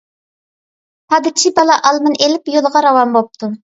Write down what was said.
پادىچى بالا ئالمىنى ئېلىپ، يولىغا راۋان بوپتۇ.